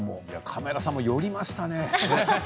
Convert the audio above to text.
カメラさんも寄りましたね。